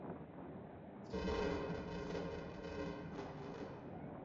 元代废湖阳县入泌阳县仍属唐州。